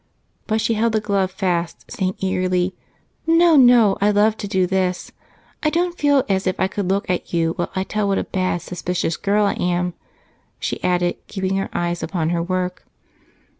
But she held the glove fast, saying eagerly, "No, no, I love to do this! I don't feel as if I could look at you while I tell what a bad, suspicious girl I am," she added, keeping her eyes on her work.